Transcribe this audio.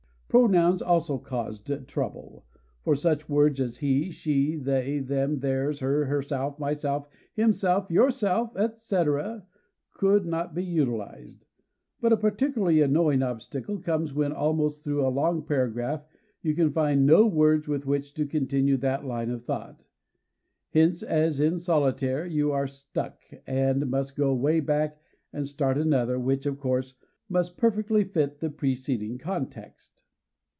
Pronouns also caused trouble; for such words as he, she, they, them, theirs, her, herself, myself, himself, yourself, etc., could not be utilized. But a particularly annoying obstacle comes when, almost through a long paragraph you can find no words with which to continue that line of thought; hence, as in Solitaire, you are "stuck," and must go way back and start another; which, of course, must perfectly fit the preceding context.